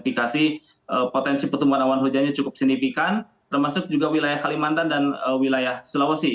dan dikasih potensi pertumbuhan awan hujannya cukup signifikan termasuk juga wilayah kalimantan dan wilayah sulawesi